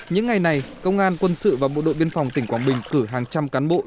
những ngày này công an quân sự và bộ đội biên phòng tỉnh quảng bình cử hàng trăm cán bộ